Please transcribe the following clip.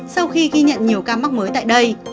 sau khi ghi nhận nhiều ca mắc mới tại đây